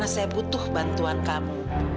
saya butuh bantuan kamu